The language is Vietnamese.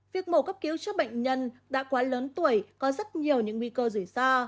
việc mổ cấp cứu cho bệnh nhân đã quá lớn tuổi có rất nhiều những nguy cơ rủi ro